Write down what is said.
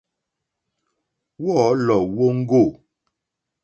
Wɔ̌lɔ̀ wóŋɡô.